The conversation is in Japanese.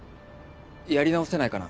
やり直せないかな？